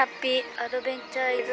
「アドベンチャーイズ」。